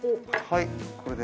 はい。